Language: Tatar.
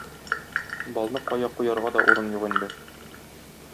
Балны кая куярга да урын юк инде.